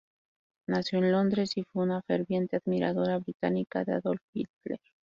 Nació en Londres y fue una ferviente admiradora británica de Adolf Hitler.